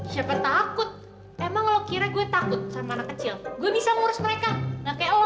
siapa takut emang lo kira gue takut sama anak kecil gue bisa ngurus mereka enggak kayak oh